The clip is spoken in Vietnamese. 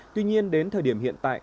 tuy nhiên đến thời điểm hiện tại